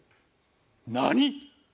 何？